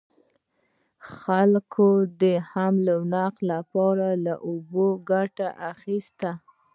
خلکو د حمل او نقل لپاره له اوبو ګټه اخیسته.